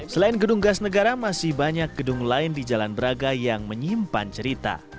selain gedung gas negara masih banyak gedung lain di jalan braga yang menyimpan cerita